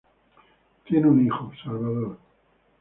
Tiene un hijo, Salvador.